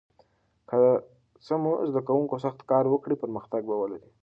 که د سمو زده کوونکو سخت کار وکړي، پرمختګ به ولري.